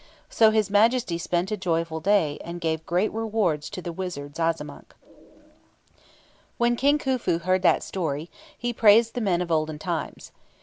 So his Majesty spent a joyful day, and gave great rewards to the wizard Zazamankh." When King Khufu heard that story, he praised the men of olden times.